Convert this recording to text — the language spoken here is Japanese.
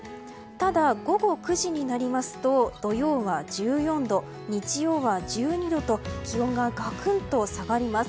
ただ、午後９時になりますと土曜は１４度日曜日は１２度と気温ががくんと下がります。